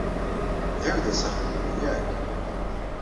Ɛiwdet-as axemmem, yak?